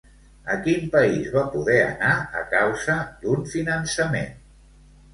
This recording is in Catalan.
A quin país va poder anar a causa d'un finançament?